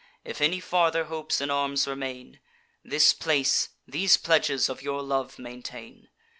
If any farther hopes in arms remain, This place, these pledges of your love, maintain.